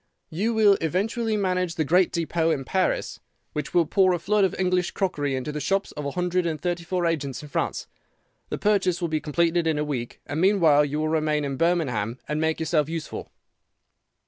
"'You will eventually manage the great depôt in Paris, which will pour a flood of English crockery into the shops of a hundred and thirty four agents in France. The purchase will be completed in a week, and meanwhile you will remain in Birmingham and make yourself useful.